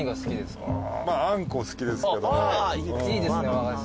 いいですね和菓子。